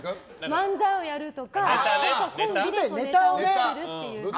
漫才をやるとかコンビでネタをって。